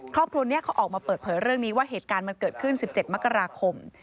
ครอบครัวนี้เขาออกมาเปิดเผยเรื่องนี้ว่าเหตุการณ์มันเกิดขึ้น๑๗มกราคม